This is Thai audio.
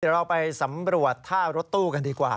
เดี๋ยวเราไปสำรวจท่ารถตู้กันดีกว่า